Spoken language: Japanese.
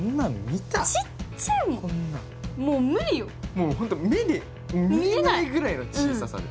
もう本当目で見えないぐらいの小ささで。